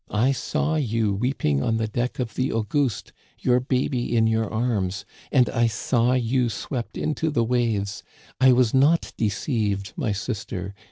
I saw you weeping on the deck of the Auguste, your baby in your arms ; and I saw you swept into the waves. I was not deceived, my sister